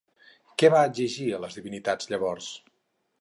Què va exigir a les divinitats llavors?